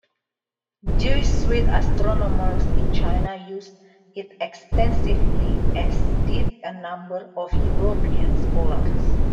Jesuit astronomers in China used it extensively, as did a number of European scholars.